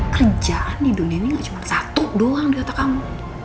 kerjaan di dunia ini gak cuma satu doang di otak kamu